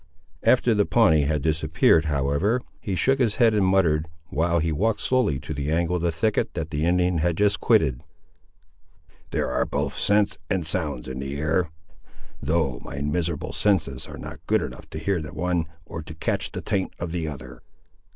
After the Pawnee had disappeared, however, he shook his head and muttered, while he walked slowly to the angle of the thicket that the Indian had just quitted— "There are both scents and sounds in the air, though my miserable senses are not good enough to hear the one, or to catch the taint of the other."